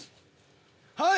はい！